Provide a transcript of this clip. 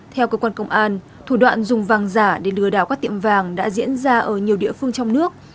theo cơ quan công an thủ đoạn dùng vàng giả để lừa đảo các tiệm vàng đã diễn ra ở nhiều địa phương trong nước